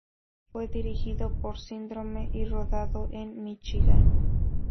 Fue dirigido por Syndrome y rodado en Míchigan.